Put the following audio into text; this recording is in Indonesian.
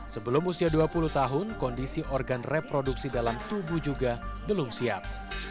sebelum usia dua puluh tahun kondisi organ reproduksi dalam tubuh juga belum siap